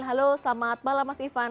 halo selamat malam mas ivan